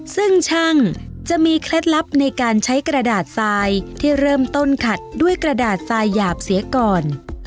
ซึ่งช่างจะมีเคล็ดลับในการใช้กระดาษทรายที่เริ่มต้นขัดด้วยกระดาษทรายหยาบเสียก่อน